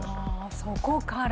そこから。